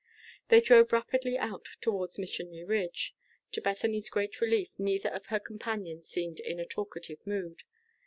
They drove rapidly out towards Missionary Ridge. To Bethany's great relief, neither of her companions seemed in a talkative mood.